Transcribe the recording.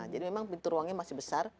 jadi memang pintu ruangnya masih besar